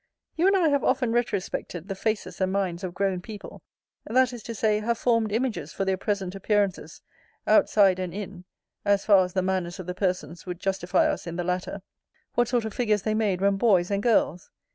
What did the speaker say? You and I have often retrospected the faces and minds of grown people; that is to say, have formed images for their present appearances, outside and in, (as far as the manners of the persons would justify us in the latter) what sort of figures they made when boys and girls.